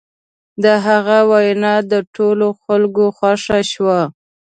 د هغه وینا د ټولو خلکو خوښه شوه.